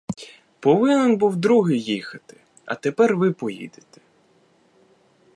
Повинен був другий їхати, а тепер ви поїдете.